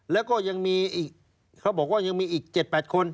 แล้วก็ยังมีอีกเขาบอกว่ายังมีอีก๗๘คน